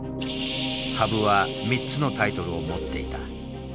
羽生は３つのタイトルを持っていた。